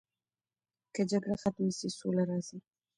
که جګړه ختمه سي سوله راځي.